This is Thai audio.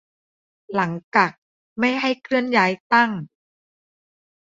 หลังกักไม่ให้เคลื่อนย้ายตั้ง